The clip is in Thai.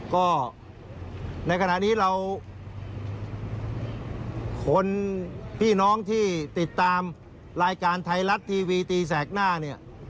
ก็ในขณะนี้เราคนพี่น้องที่ติดตามรายการไทยรัฐทีวีตีแสกหน้าเนี่ย